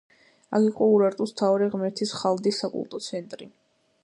აქ იყო ურარტუს მთავარი ღმერთის ხალდის საკულტო ცენტრი.